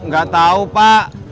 gak tau pak